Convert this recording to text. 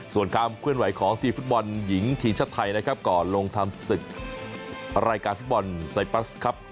ส่วนความเคลื่อนไหวของทีมฟุตบอลหญิงทีมชาติไทยนะครับก่อนลงทำศึกรายการฟุตบอลไซปัสครับ